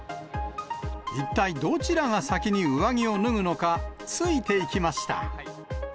一体どちらが先に上着を脱ぐのか、ついていきました。